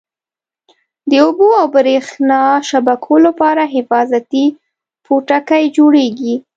د اوبو او بریښنا شبکو لپاره حفاظتي پوټکی جوړیږي.